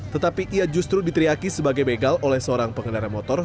tetapi ia justru diteriaki sebagai begal oleh seorang pengendara motor